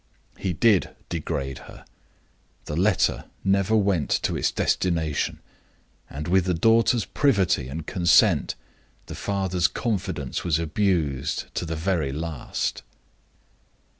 He did degrade her. The letter never went to its destination; and, with the daughter's privity and consent, the father's confidence was abused to the very last.